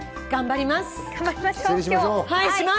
頑張ります。